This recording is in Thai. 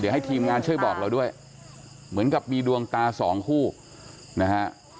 ให้ทีมงานช่วยบอกเราด้วยเหมือนกับมีดวงตาสองคู่นะฮะ